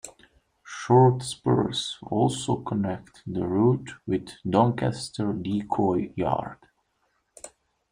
Short spurs also connect the route with Doncaster Decoy Yard.